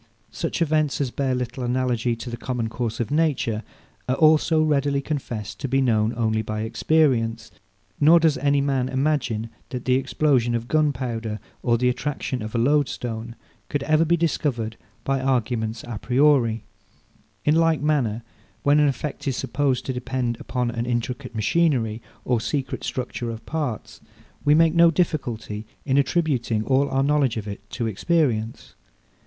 Such events, as bear little analogy to the common course of nature, are also readily confessed to be known only by experience; nor does any man imagine that the explosion of gunpowder, or the attraction of a loadstone, could ever be discovered by arguments a priori. In like manner, when an effect is supposed to depend upon an intricate machinery or secret structure of parts, we make no difficulty in attributing all our knowledge of it to experience.